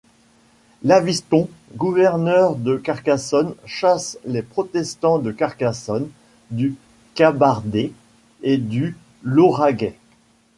Laviston, gouverneur de Carcassonne chasse les protestants de Carcassonne, du Cabardès et du Lauragais.